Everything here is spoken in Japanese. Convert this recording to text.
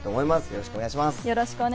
よろしくお願いします。